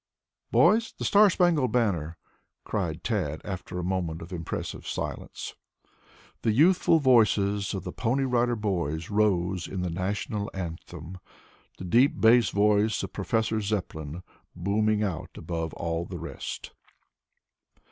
"Boys, 'The Star spangled Banner,'" cried Tad after a moment of impressive silence. The youthful voices of the Pony Rider Boys rose in the National anthem, the deep bass voice of Professor Zepplin booming out above all the rest.